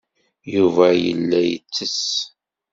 Yuba yella yettess.